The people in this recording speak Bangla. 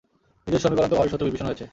নিজের সমীকরণ তো ঘরের শত্রু বিভীষণ হয়েছে।